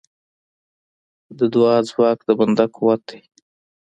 د دعا ځواک د بنده قوت دی.